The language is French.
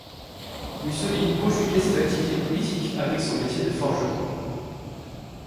Mussolini conjuguait ses activités politiques avec son métier de forgeron.